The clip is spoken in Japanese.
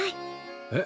えっ？